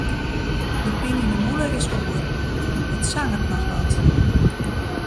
De pine yn 'e mûle is oer, it sangeret noch sa wat.